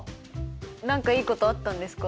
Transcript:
何かいいことあったんですか？